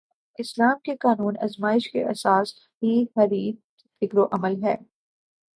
اسلام کے قانون آزمائش کی اساس ہی حریت فکر و عمل ہے۔